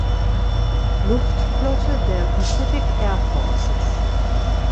Luftflotte der Pacific Air Forces.